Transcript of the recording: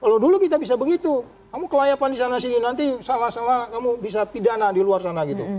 kalau dulu kita bisa begitu kamu kelayapan di sana sini nanti salah salah kamu bisa pidana di luar sana gitu